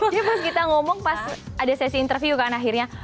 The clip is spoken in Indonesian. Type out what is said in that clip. jadi pas kita ngomong pas ada sesi interview kan akhirnya